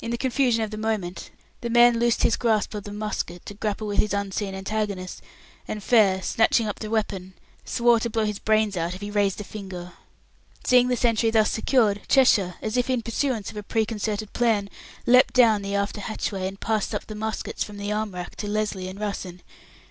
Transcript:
In the confusion of the moment the man loosed his grip of the musket to grapple with his unseen antagonist, and Fair, snatching up the weapon, swore to blow out his brains if he raised a finger. Seeing the sentry thus secured, Cheshire, as if in pursuance of a preconcerted plan, leapt down the after hatchway, and passed up the muskets from the arm racks to Lesly and Russen.